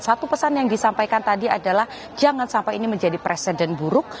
satu pesan yang disampaikan tadi adalah jangan sampai ini menjadi presiden buruk